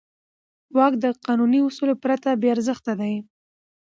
واک د قانوني اصولو پرته بېارزښته دی.